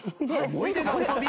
思い出の遊び？